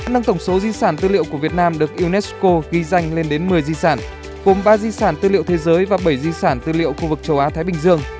nâng tổng số di sản tư liệu của việt nam được unesco ghi danh lên đến một mươi di sản gồm ba di sản tư liệu thế giới và bảy di sản tư liệu khu vực châu á thái bình dương